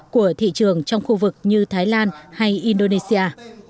của thị trường trong khu vực như thái lan hay indonesia